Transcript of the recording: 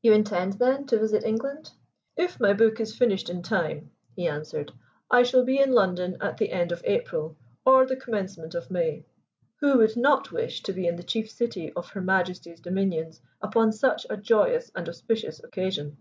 "You intend, then, to visit England?" "If my book is finished in time," he answered, "I shall be in London at the end of April or the commencement of May. Who would not wish to be in the chief city of Her Majesty's dominions upon such a joyous and auspicious occasion?"